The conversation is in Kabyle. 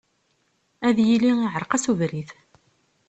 Ad yili iεreq-as ubrid.